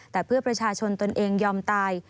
แต่เพื่อประชาชนตนเองยอมตาย